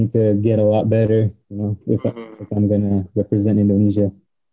jelas gue harus lebih baik jika gue representasi indonesia